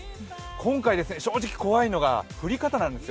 今回、正直怖いのが降り方なんですよ。